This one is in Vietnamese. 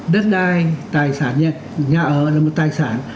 đất đai tài sản nhà ở là một tài sản